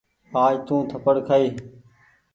آج تونٚ ٿپڙ کآئي ۔